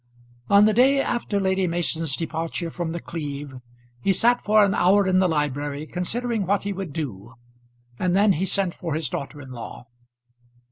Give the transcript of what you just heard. On the day after Lady Mason's departure from The Cleeve, he sat for an hour in the library considering what he would do, and then he sent for his daughter in law.